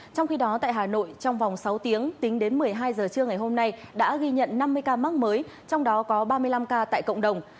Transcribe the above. trong khi đó tại hà nội trong vòng sáu tiếng tính đến một mươi hai giờ trưa ngày hôm nay đã ghi nhận năm mươi ca mắc mới trong đó có ba mươi năm ca tại cộng đồng